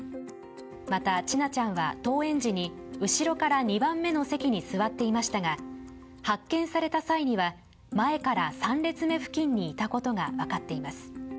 また、千奈ちゃんは登園時に後ろから２番目の席に座っていましたが発見された際には前から３列目付近にいたことが分かっています。